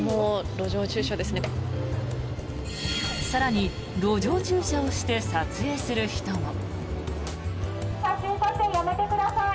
更に、路上駐車をして撮影する人も。